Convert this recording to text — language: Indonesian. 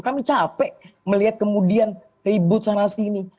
kami capek melihat kemudian ribut sana sini